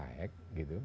yang baik gitu